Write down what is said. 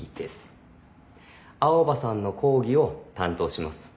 青羽さんの講義を担当します。